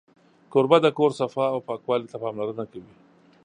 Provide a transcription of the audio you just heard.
کوربه د کور صفا او پاکوالي ته پاملرنه کوي.